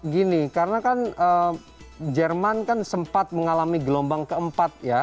gini karena kan jerman kan sempat mengalami gelombang keempat ya